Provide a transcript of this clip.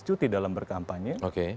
cuti dalam berkampanye